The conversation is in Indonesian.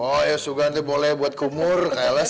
oh ya sudah nanti boleh buat kumur kaya les